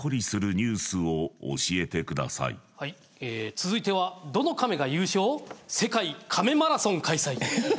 続いてはどのカメが優勝世界カメマラソン開催。